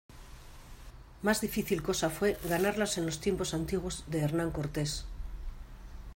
más difícil cosa fué ganarlas en los tiempos antiguos de Hernán Cortés.